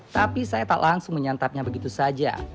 tapi saya tak langsung menyantapnya begitu saja